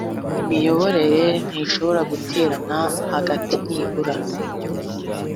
imiyoborere ntishobora guterana hatari nibura